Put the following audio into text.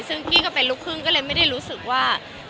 ซึ่งกี้ก็เป็นลูกครึ่งก็เลยไม่ได้รู้สึกว่า